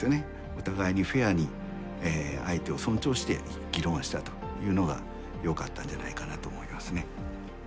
お互いにフェアに相手を尊重して議論したというのがよかったんじゃないかなと思いますね。